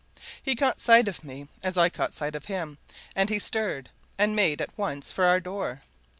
He caught sight of me as I caught sight of him, and he stirred, and made at once for our door.